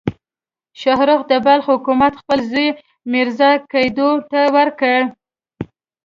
شاهرخ د بلخ حکومت خپل زوی میرزا قیدو ته ورکړ.